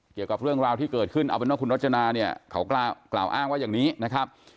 เกี่ยวกับเรื่องราวที่เกิดขึ้นเอาเป็นว่าคุณรจนาเนี่ยเขากล่าวอ้างว่าอย่างนี้นะครับ